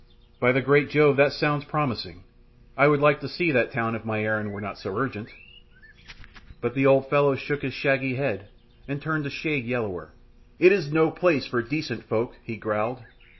"By the great Jove, that sounds promising! I would like to see that town if my errand were not so urgent." But the old fellow shook his shaggy head and turned a shade yellower. "It is no place for decent folk," he growled.